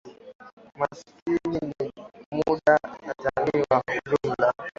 umasikini na huduma za jamii kwa ujumla